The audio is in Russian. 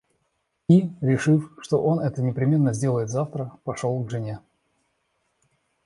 И, решив, что он это непременно сделает завтра, пошел к жене.